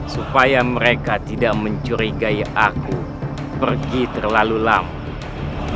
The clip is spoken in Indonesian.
supaya mereka tidak mencurigai aku pergi terlalu lama